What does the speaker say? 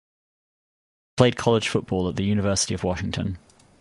He played college football at the University of Washington.